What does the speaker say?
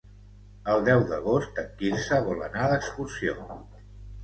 El deu d'agost en Quirze vol anar d'excursió.